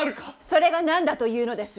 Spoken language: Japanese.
それが何だというのです！